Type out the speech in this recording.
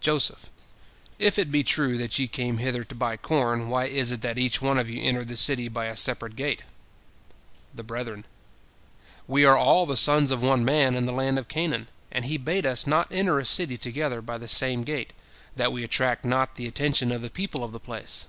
Joseph: "If it be true that ye came hither to buy corn, why is it that each one of you entered the city by a separate gate?" The brethren: "We are ALL the sons of one man in the land of Canaan, and he bade us not enter a city together by the same gate, that we attract not the attention of the people of the place."